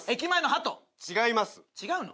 違うの？